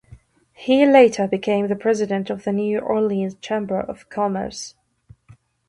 He later became the president of the New Orleans Chamber of Commerce.